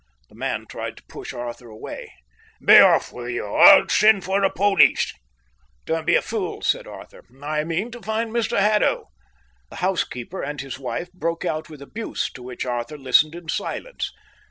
The man tried to push Arthur away. "Be off with you, or I'll send for the police." "Don't be a fool," said Arthur. "I mean to find Mr Haddo." The housekeeper and his wife broke out with abuse, to which Arthur listened in silence.